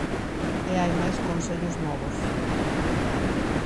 E hai máis consellos novos.